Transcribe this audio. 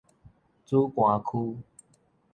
梓官區